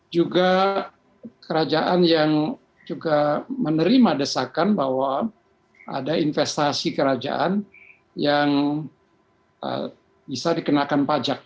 juga kerajaan yang juga menerima desakan bahwa ada investasi kerajaan yang bisa dikenakan pajak